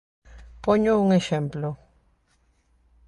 Poño un exemplo.